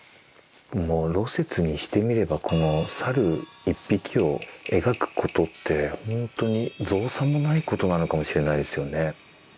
もう芦雪にしてみればこの猿１匹を描くことってほんとに造作もないことなのかもしれないですよね。